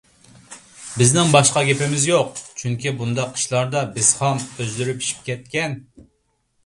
بىزنىڭ باشقا گېپىمىز يوق. چۈنكى، بۇنداق ئىشلاردا بىز خام، ئۆزلىرى پىشىپ كەتكەن.